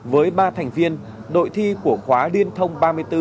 với ba thành viên đội thi của khóa liên thông ba mươi bốn